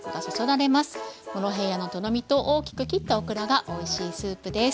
モロヘイヤのとろみと大きく切ったオクラがおいしいスープです。